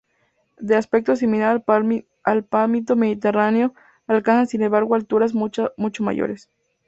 De aspecto similar al palmito mediterráneo, alcanza sin embargo alturas mucho mayores.